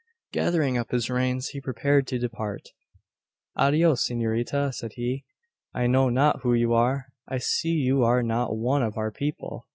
Gathering up his reins, he prepared to depart. "Adios, s'norita!" said he, "I know not who you are. I see you are not one of our people.